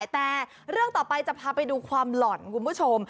แต่เรื่องต่อไปจะพาไปดูความหล่อนคุณผู้ชม